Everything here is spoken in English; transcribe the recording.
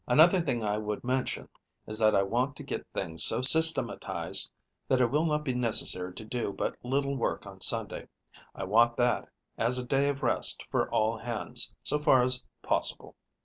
Another thing I would mention is that I want to get things so systematized that it will not be necessary to do but little work on Sunday. I want that as a day of rest for all hands, so far as possible."